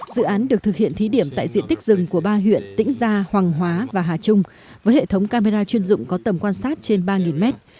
dự án được thực hiện thí điểm tại diện tích rừng của ba huyện tĩnh gia hoàng hóa và hà trung với hệ thống camera chuyên dụng có tầm quan sát trên ba mét